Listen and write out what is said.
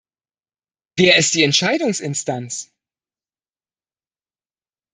Wer ist die Entscheidungsinstanz?